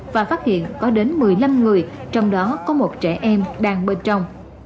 và phát hiện có đến một mươi năm người trong đó có một trẻ em đang bên trong